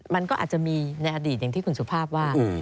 มันก็อาจจะมีในอดีตอย่างที่คุณสุภาพว่า